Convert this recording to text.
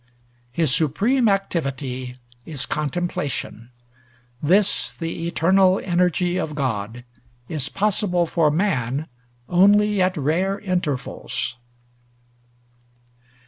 His supreme activity is contemplation. This, the eternal energy of God, is possible for man only at rare intervals.